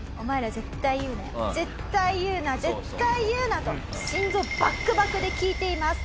絶対言うな」と心臓バックバクで聞いています。